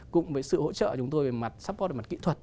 cũng với sự hỗ trợ chúng tôi về mặt suppot về mặt kỹ thuật